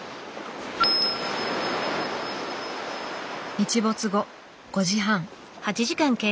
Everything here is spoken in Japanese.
日没後５時半。